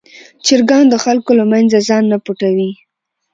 چرګان د خلکو له منځه ځان نه پټوي.